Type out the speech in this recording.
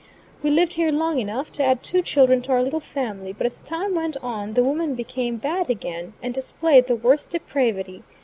We lived here long enough to add two children to our little family; but as time went on, the woman became bad again, and displayed the worst depravity.